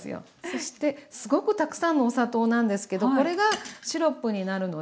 そしてすごくたくさんのお砂糖なんですけどこれがシロップになるので。